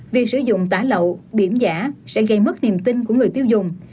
việc sử dụng tải lậu biểm giả sẽ gây mất niềm tin của người tiêu dùng